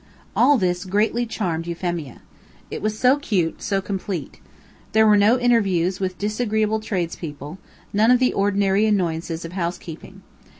All this greatly charmed Euphemia. It was so cute, so complete. There were no interviews with disagreeable trades people, none of the ordinary annoyances of housekeeping.